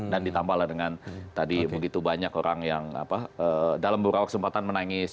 dan ditambahlah dengan tadi begitu banyak orang yang dalam beberapa kesempatan menangis